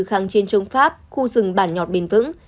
kháng chiến chống pháp khu rừng bản nhọt bền vững